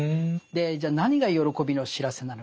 じゃあ何が喜びの知らせなのか。